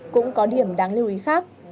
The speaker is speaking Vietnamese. cũng có điểm đáng lưu ý khác